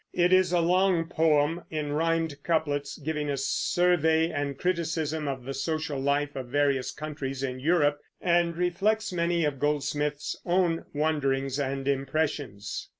It is a long poem, in rimed couplets, giving a survey and criticism of the social life of various countries in Europe, and reflects many of Goldsmith's own wanderings and impressions.